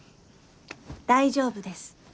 大丈夫です！